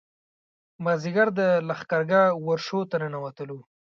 مازیګر د لښکرګاه ورشو ته ننوتلو.